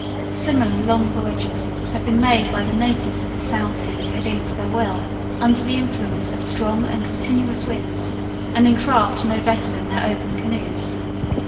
Similar long voyages have been made by the natives of the South Seas against their will, under the influence of strong and continuous winds, and in craft no better than their open canoes.